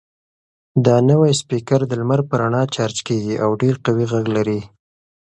دا نوی سپیکر د لمر په رڼا چارج کیږي او ډېر قوي غږ لري.